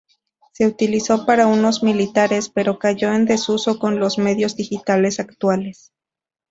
Se utilizó para usos militares, pero cayó en desuso con los medios digitales actuales.